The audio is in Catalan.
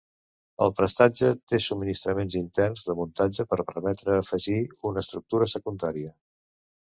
El prestatge té subministraments interns de muntatge per permetre afegir una estructura secundària.